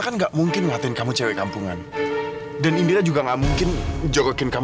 sampai jumpa di video selanjutnya